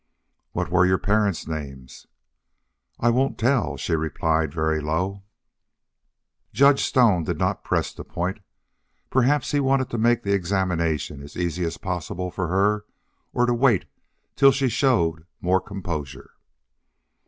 "What were your parents' names?" "I won't tell," she replied, very low. Judge Stone did not press the point. Perhaps he wanted to make the examination as easy as possible for her or to wait till she showed more composure.